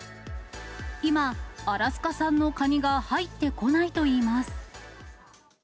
今、アラスカ産のカニが入ってこないといいます。